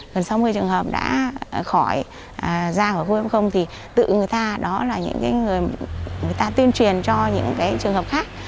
gần sáu mươi trường hợp đã khỏi ra khỏi khu f thì tự người ta đó là những người người ta tuyên truyền cho những trường hợp khác